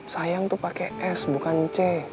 sayang tuh pake s bukan c